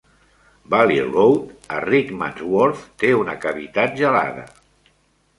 Valley Road a Rickmansworth té una cavitat gelada.